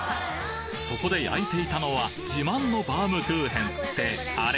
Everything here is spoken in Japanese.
そこで焼いていたのは自慢のバームクーヘンってあれ？